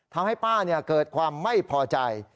ทำให้ป้าเกิดความไม่พอใจ